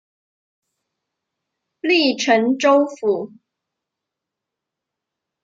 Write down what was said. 隶辰州府。